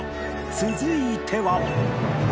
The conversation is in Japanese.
続いては